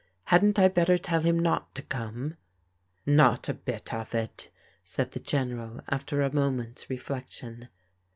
Hadn't I better tell him not to come ?"" Not a bit of it," said the General after a moment's reflection.